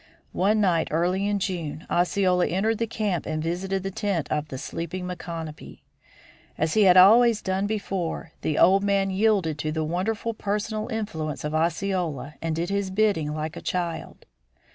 One night early in June, Osceola entered the camp and visited the tent of the sleeping Micanopy. As he had always done before, the old man yielded to the wonderful personal influence of Osceola and did his bidding like a child.